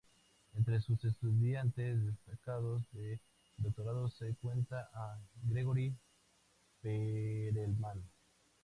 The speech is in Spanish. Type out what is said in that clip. Entre sus estudiantes destacados de doctorado se cuenta a Grigori Perelman.